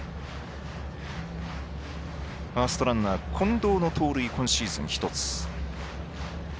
ファーストランナー近藤の盗塁今シーズン１つ。